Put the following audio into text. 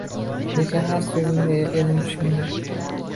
Lekin har so‘zimni elim tushundi.